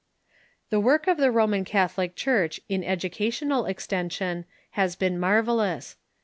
The work of the Roman Catholic Church in educational ex tension has been marvellous.